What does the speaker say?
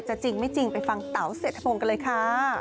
จริงไม่จริงไปฟังเต๋าเศรษฐพงศ์กันเลยค่ะ